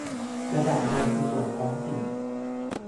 ระดับเมืองคือส่วนท้องถิ่น